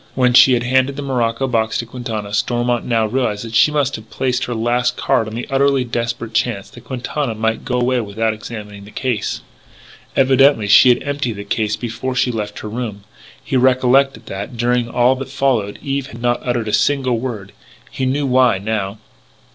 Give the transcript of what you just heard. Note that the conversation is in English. When she had handed the morocco box to Quintana, Stormont now realised that she must have played her last card on the utterly desperate chance that Quintana might go away without examining the case. Evidently she had emptied the case before she left her room. He recollected that, during all that followed, Eve had not uttered a single word. He knew why, now.